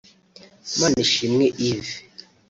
Manishimwe Yves